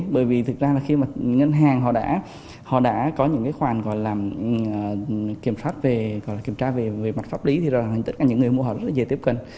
bởi vì thực ra là khi mà ngân hàng họ đã có những cái khoản kiểm tra về mặt pháp lý thì tất cả những người mua họ rất là dễ tiếp cận